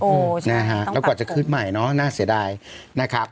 โอ้เช่นนี้นะคะแล้วก่อนจะขึ้นใหม่เนอะน่าเสียดายนะครับ